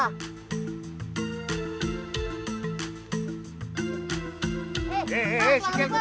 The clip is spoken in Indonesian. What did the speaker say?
pak tukang rumput